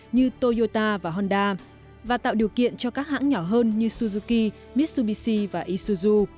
như suzuki mitsubishi và isuzu